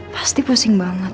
pasti pusing banget